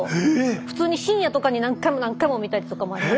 普通に深夜とかに何回も何回も見たりとかもありますし。